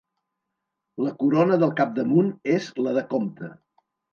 La corona del capdamunt és la de comte.